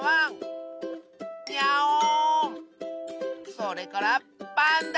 それからパンダ！